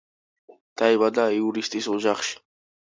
დაიბადა იურისტის ოჯახში.